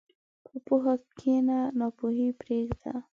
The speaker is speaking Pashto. په پوهه کښېنه، ناپوهي پرېږده.